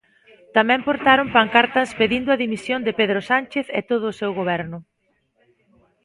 Tamén portaron pancartas pedindo a dimisión de Pedro Sánchez e todo o seu Goberno.